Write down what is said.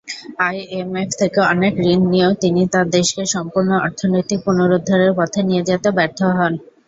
IMF থেকে অনেক ঋণ নিয়েও তিনি তার দেশকে সম্পূর্ণ অর্থনৈতিক পুনরুদ্ধারের পথে নিয়ে যেতে ব্যর্থ হন।